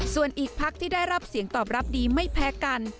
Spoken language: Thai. ส่วนอีกพักที่ได้รับเสียงตอบรับดีไม่แพ้กัน